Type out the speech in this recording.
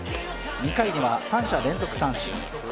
２回には三者連続三振。